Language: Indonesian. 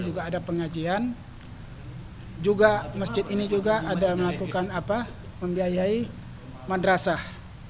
juga ada pengajian juga masjid ini juga ada melakukan apa membiayai madrasah